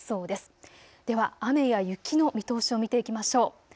では雨や雪の見通しを見ていきましょう。